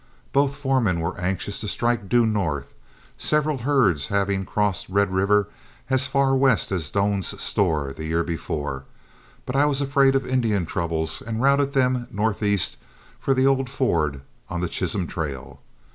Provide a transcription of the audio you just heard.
Both foremen were anxious to strike due north, several herds having crossed Red River as far west as Doan's Store the year before; but I was afraid of Indian troubles and routed them northeast for the old ford on the Chisholm trail.